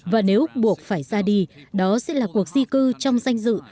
và nếu buộc phải ra đi đó sẽ là cuộc di cư trong danh dự